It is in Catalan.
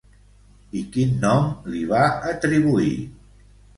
I quin nom li va atribuir?